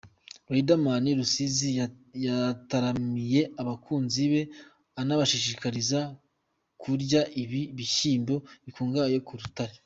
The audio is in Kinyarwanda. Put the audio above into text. Riderman i Rusizi yataramiye abakunzi be anabashishikariza kurya ibi bishyimbo bikungahaye ku butare.